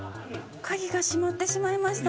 鍵が閉まってしまいました